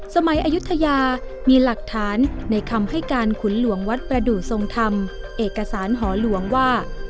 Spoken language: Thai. สมัยอายุทยามีหลักฐานในคำให้การขุนหลวงวัดประดูกทรงธรรมเอกสารหอหลวงว่า